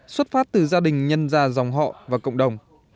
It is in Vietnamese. xuất phát từ gia đình nhân gia dòng họ và cộng đồng